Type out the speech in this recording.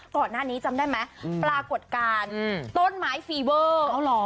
ก่อนหน้านี้จำได้ไหมปรากฏการณ์ต้นไม้ฟีเวอร์